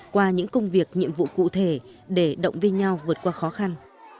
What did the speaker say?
qua những công việc nhiệm vụ cụ thể để động viên nhau vượt qua khó khăn